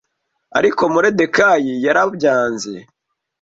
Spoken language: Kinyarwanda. Ariko Moridekayi yarabyanze